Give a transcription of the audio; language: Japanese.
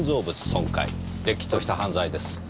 れっきとした犯罪です。